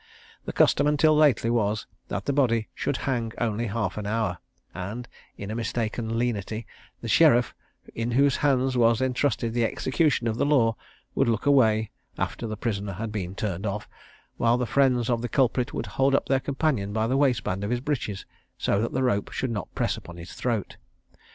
The custom until lately was, that the body should hang only half an hour; and, in a mistaken lenity, the sheriff, in whose hands was entrusted the execution of the law, would look away, after the prisoner had been turned off, while the friends of the culprit would hold up their companion by the waistband of his breeches, so that the rope should not press upon his throat.